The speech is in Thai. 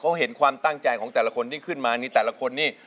เขาเห็นความตั้งใจของแต่ละคนที่ขึ้นมานี่แต่ละคนนี่